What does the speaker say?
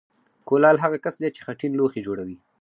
کولال هغه کس دی چې خټین لوښي جوړوي